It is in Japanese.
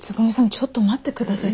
ちょっと待って下さい。